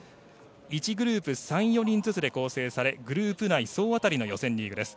１グループ３４人ずつで構成されグループ内総当たりの予選リーグです。